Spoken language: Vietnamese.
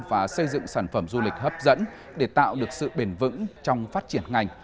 và xây dựng sản phẩm du lịch hấp dẫn để tạo được sự bền vững trong phát triển ngành